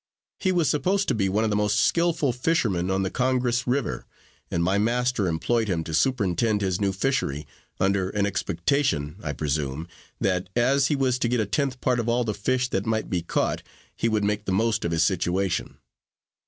He was supposed to be one of the most skillful fishermen on the Congrace river, and my master employed him to superintend his new fishery, under an expectation, I presume, that as he was to get a tenth part of all the fish that might be caught, he would make the most of his situation.